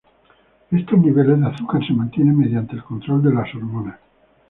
Estos niveles de azúcar se mantienen mediante el control de las hormonas.